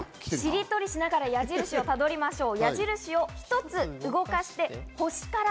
しりとりしながら矢印をたどりましょう。